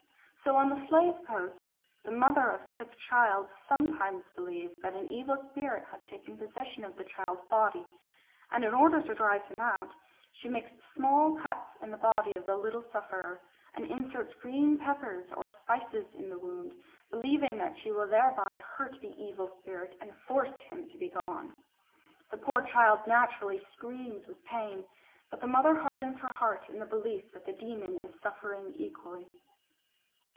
So on the Slave Coast the mother of a sick child sometimes believes that an evil spirit has taken possession of the child's body, and in order to drive him out, she makes small cuts in the body of the little sufferer and inserts green peppers or spices in the wounds, believing that she will thereby hurt the evil spirit and force him to be gone. The poor child naturally screams with pain, but the mother hardens her heart in the belief that the demon is suffering equally.